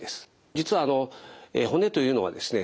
実は骨というのはですね